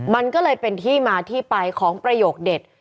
มันก็เลยเป็นที่มาที่ไปของประโยคเด็ด